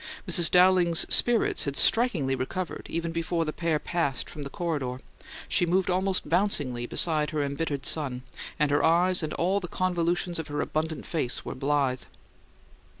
Mrs. Dowling's spirits had strikingly recovered even before the pair passed from the corridor: she moved almost bouncingly beside her embittered son, and her eyes and all the convolutions of her abundant face were blithe.